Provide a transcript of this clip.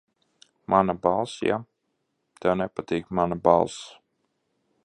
Mana balss, ja? Tev nepatīk mana balss.